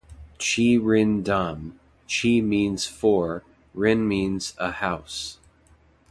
Chi Ren Dam: 'Chi' means 'four', 'ren' means a 'house'.